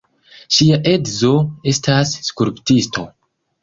Ŝia edzo estas skulptisto.